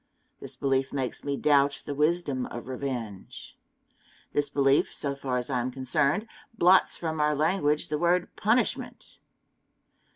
This belief makes me doubt the wisdom of revenge. This belief, so far as I am concerned, blots from our language the word "punishment."